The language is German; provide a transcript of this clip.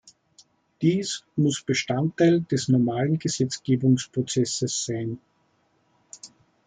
Dies muss Bestandteil des normalen Gesetzgebungsprozesses sein.